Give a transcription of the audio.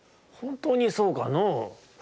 ほんとうにそうかのう？